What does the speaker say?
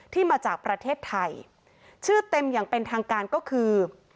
ที่มาจากประเทศไทยชื่อเต็มอย่างเป็นทางการก็คือ